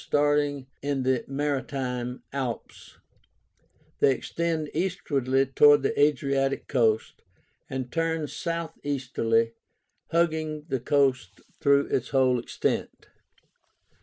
Starting in the Maritime Alps, they extend easterly towards the Adriatic coast, and turn southeasterly hugging the coast through its whole extent.